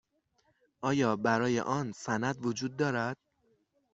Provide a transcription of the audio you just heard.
آیا برای آن سند وجود دارد؟